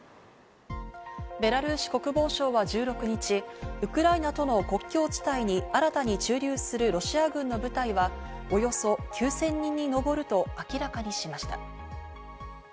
ベラルーシ国防省は１６日、ウクライナとの国境地帯に新たに駐留するロシア軍の部隊はおよそ９０００人に上ると明らかにしました。